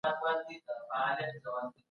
پانګونه په هیواد کي د ثبات لامل کیږي.